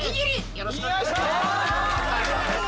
よろしくお願いします